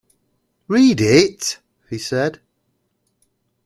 "Read it," he said.